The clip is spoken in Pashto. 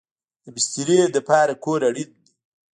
د بسترې لپاره کور اړین دی